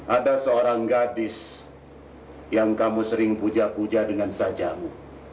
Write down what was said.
ada seorang gadis yang kamu sering puja puja dengan sajamu